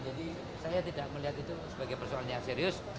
jadi saya tidak melihat itu sebagai persoalannya serius